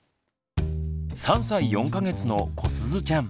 ３歳４か月のこすずちゃん。